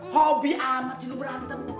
hobi amat ini lu berantem